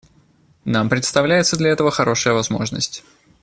Нам представляется для этого хорошая возможность.